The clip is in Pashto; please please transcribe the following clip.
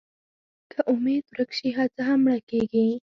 که امېد ورک شي، هڅه هم مړه کېږي.